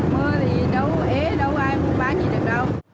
mưa thì nấu ế đâu ai mua bán gì được đâu